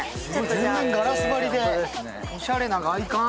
全面ガラス張りで、おしゃれな外観。